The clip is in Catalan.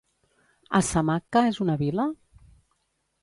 Assamakka és una vila?